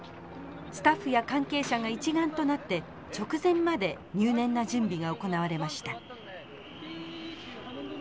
スタッフや関係者が一丸となって直前まで入念な準備が行われました。